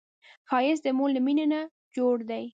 ښایست د مور له مینې نه جوړ دی